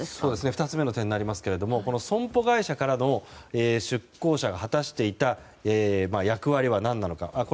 ２つ目の点になりますが損保会社からの出向者が果たしていた役割は何なのか。